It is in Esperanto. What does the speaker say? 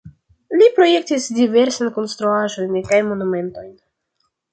Li projektis diversajn konstruaĵojn kaj monumentojn.